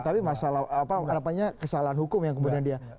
tapi masalah kesalahan hukum yang kemudian dia